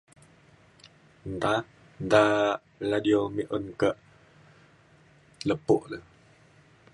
nta, nta radio mik un ka' lepo le.